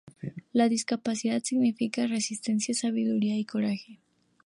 La discapacidad significa resistencia, sabiduría, coraje.